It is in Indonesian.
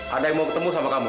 ada yang mau ketemu sama kamu